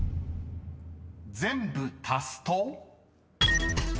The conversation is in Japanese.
［全部足すと？］